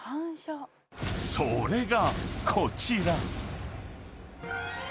［それがこちら！］